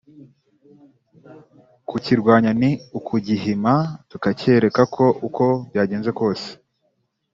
kukirwanya ni ukugihima tukacyereka ko uko byagenze kose